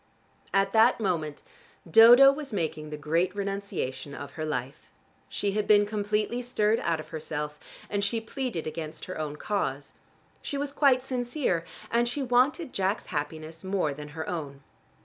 At that moment Dodo was making the great renunciation of her life. She had been completely stirred out of herself and she pleaded against her own cause. She was quite sincere and she wanted Jack's happiness more than her own.